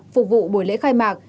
phục vụ buổi lễ khai mạc